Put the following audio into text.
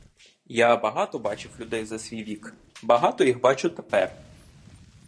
Я багато бачив людей за свій вік, багато їх бачу тепер.